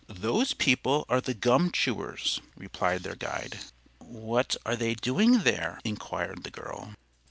"Those people are the gum chewers," replied their guide. "What are they doing there?" inquired the girl.